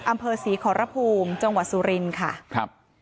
อำเภอศรีขอรภูมิจังหวัดสุรินค่ะครับ